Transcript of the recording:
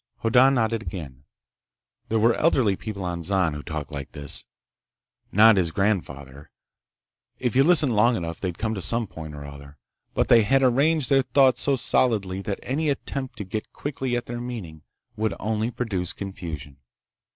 Hoddan nodded again. There were elderly people on Zan who talked like this. Not his grandfather! If you listened long enough they'd come to some point or other, but they had arranged their thoughts so solidly that any attempt to get quickly at their meaning would only produce confusion.